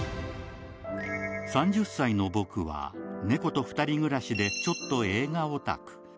３０歳の僕は猫と２人暮らしでちょっと映画オタク